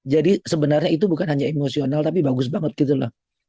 jadi sebenarnya itu bukan hanya emosional tapi bagus banget gitu loh